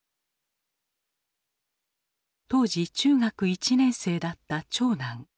当時中学１年生だった長男。